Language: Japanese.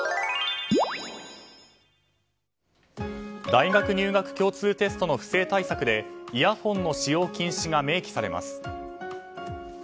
大学入学共通テストの不正対策でイヤホンの使用禁止が明記されます。